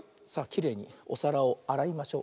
きれいにおさらをあらいましょう。